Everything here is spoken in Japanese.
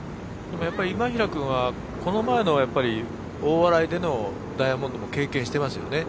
今平君はこの前の大洗でのダイヤモンドも経験してますよね。